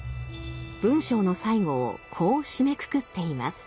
文章の最後をこう締めくくっています。